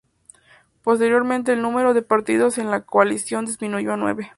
Posteriormente el número de partidos en la coalición disminuyó a nueve.